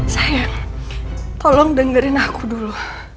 saya tolong dengerin aku dulu